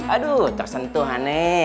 aduh tersentuh ane